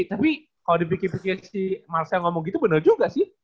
tapi kalo dipikir pikir si marsha ngomong gitu bener juga sih